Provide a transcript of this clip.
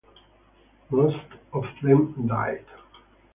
Most of them died.